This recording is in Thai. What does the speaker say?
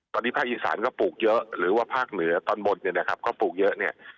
ตอนนี้ภาคอีสานก็ปลูกเยอะหรือว่าภาคเหนือตอนบนเนี่ยนะครับก็ปลูกเยอะเนี่ย